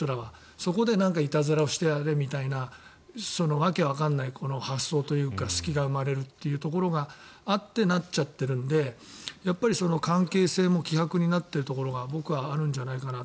そこでいたずらをしてやれみたいな訳がわからない発想というか隙が生まれるというところがあってなっちゃってるので、関係性も希薄になっているところが僕はあるんじゃないかなと。